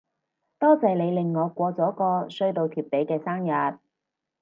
多謝你令我過咗個衰到貼地嘅生日